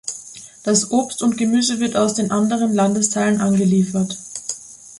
Das Obst und Gemüse wird aus den anderen Landesteilen angeliefert.